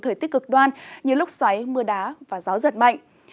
thời tiết cực đoan như lúc xoáy mưa đá và gió giật mạnh